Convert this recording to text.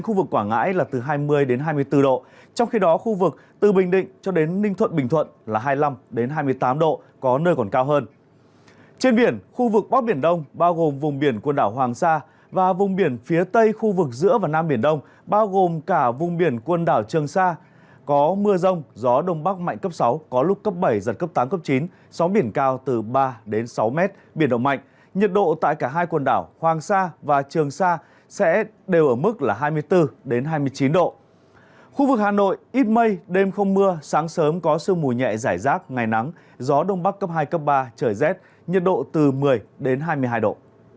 hà nội ít mây đêm không mưa sáng sớm có sương mùi nhẹ giải rác ngày nắng gió đông bắc cấp hai cấp ba trời rét nhiệt độ từ một mươi đến hai mươi hai độ